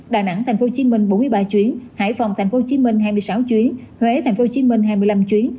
đà nẵng tp hcm bốn mươi ba chuyến hải phòng tp hcm hai mươi sáu chuyến huế tp hcm hai mươi năm chuyến